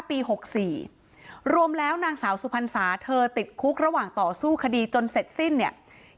ปี๖๔รวมแล้วนางสาวสุพรรษาเธอติดคุกระหว่างต่อสู้คดีจนเสร็จสิ้นเนี่ย